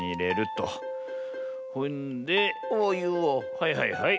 はいはいはい。